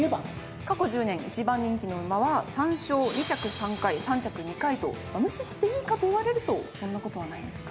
過去１０年１番人気の馬は３勝２着３回３着２回と無視していいかといわれるとそんなことはない。